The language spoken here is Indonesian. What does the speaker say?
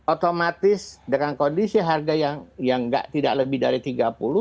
otomatis dengan kondisi harga yang tidak lebih dari rp tiga puluh